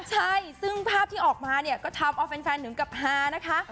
ใช่ซึ่งภาพที่ออกมาเนี่ยก็ทำเอาแฟนถึงกับฮานะคะ